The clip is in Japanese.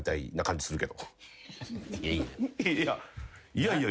いやいや。